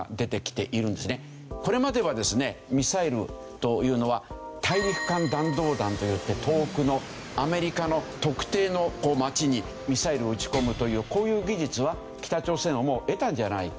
これまではですねミサイルというのは大陸間弾道弾といって遠くのアメリカの特定の街にミサイルを撃ち込むというこういう技術は北朝鮮はもう得たんじゃないか。